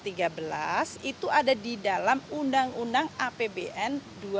itu ada di dalam undang undang apbn dua ribu dua puluh